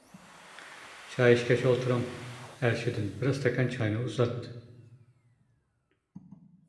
-چاي ئىچكەچ ئولتۇرۇڭ-ئەرشىدىن بىر ئىستاكان چاينى ئۇزارتتى.